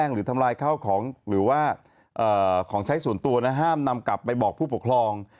ห้ามนำกลับไปบอกผู้ปกครอง